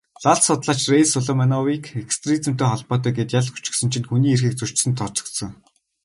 Лал судлаач Райс Сулеймановыг экстремизмтэй холбоотой гээд ял өгчихсөн чинь хүний эрхийг зөрчсөнд тооцогдсон.